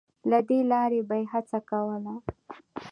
له دې لارې به یې هڅه کوله